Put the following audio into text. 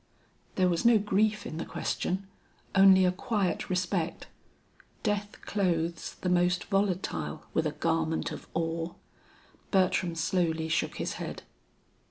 There was no grief in the question, only a quiet respect. Death clothes the most volatile with a garment of awe. Bertram slowly shook his head.